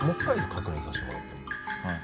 確認させてもらっても。